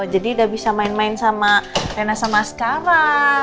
jadi sudah bisa main main sama rina sama scarra